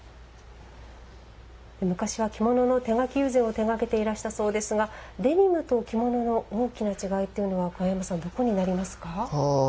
昔は着物の手描き友禅を手がけていらしたそうですがデニムと着物の大きな違いというのは桑山さん、どこになりますか。